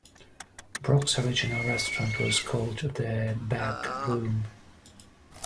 Brock's original restaurant was called The Back Room.